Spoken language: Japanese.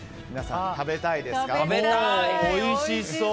皆さん、食べたいですか？